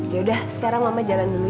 yaudah sekarang mama jalan dulu